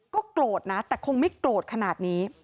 ก็โกรธนะแต่คงไม่โกรธขนาดนี้